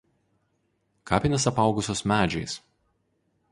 Kapinės apaugusios medžiais.